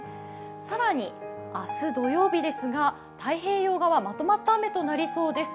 更に明日土曜日ですが、太平洋側、まとまった雨となりそうです。